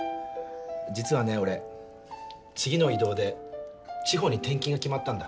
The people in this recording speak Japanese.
実はね俺次の異動で地方に転勤が決まったんだ。